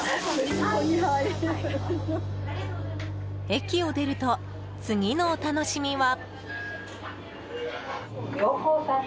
駅を出ると次のお楽しみは。